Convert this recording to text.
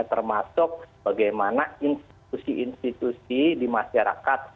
termasuk bagaimana institusi institusi di masyarakat